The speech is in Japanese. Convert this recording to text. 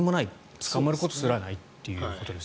捕まることすらないということです。